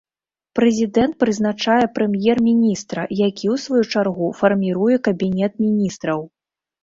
Прэзідэнт прызначае прэм'ер-міністра, які ў сваю чаргу фарміруе кабінет міністраў.